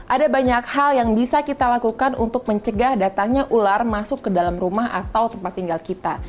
ada banyak hal yang bisa kita lakukan untuk mencegah datangnya ular masuk ke dalam rumah atau tempat tinggal kita